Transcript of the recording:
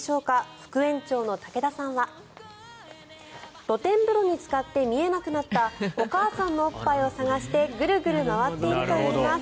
副園長の竹田さんは露天風呂につかって見えなくなったお母さんのおっぱいを探してグルグル回っているといいます。